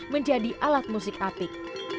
menjadi alat musik atik